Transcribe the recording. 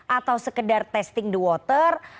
atau sekedar testing the water